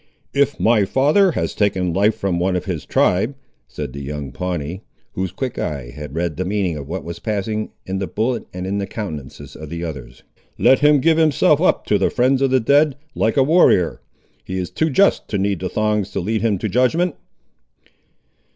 "If my father has taken life from one of his tribe," said the young Pawnee, whose quick eye had read the meaning of what was passing, in the bullet and in the countenances of the others, "let him give himself up to the friends of the dead, like a warrior. He is too just to need thongs to lead him to judgment."